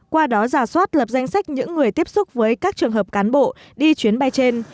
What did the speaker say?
qua đó giả soát lập danh sách những người tiếp xúc với các trường hợp cán bộ đi chuyến bay trên